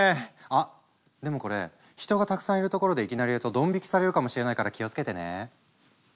あっでもこれ人がたくさんいる所でいきなりやるとドン引きされるかもしれないから気をつけてね。